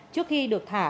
trước khi được thả